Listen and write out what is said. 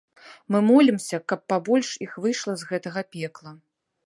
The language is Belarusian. Мы молімся, каб пабольш іх выйшла з гэтага пекла.